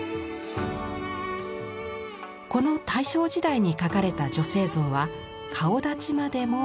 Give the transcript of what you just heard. この大正時代に描かれた女性像は顔だちまでも独特。